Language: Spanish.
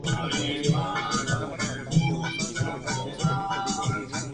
En la formación del clima en Azerbaiyán influencian diferentes masas de aire.